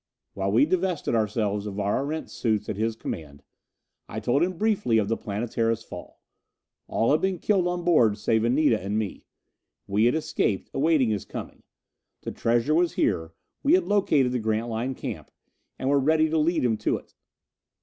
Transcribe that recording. While we divested ourselves of our Erentz suits at his command, I told him briefly of the Planetara's fall. All had been killed on board save Anita and me. We had escaped, awaited his coming. The treasure was here; we had located the Grantline camp, and were ready to lead him to it.